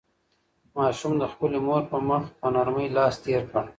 ماشوم د خپلې مور په مخ په نرمۍ لاس تېر کړ.